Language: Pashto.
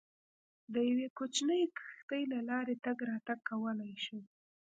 د یوې کوچنۍ کښتۍ له لارې تګ راتګ کولای شي.